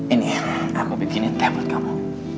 ini aku bikinin table kamu